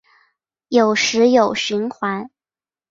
有时有蕈环。